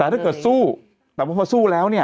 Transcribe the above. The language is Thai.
แต่ถ้าเกิดสู้แต่พอสู้แล้วเนี่ย